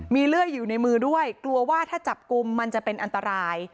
มีเลื่อยอยู่ในมือด้วยกลัวว่าถ้าจับกลุ่มมันจะเป็นอันตราย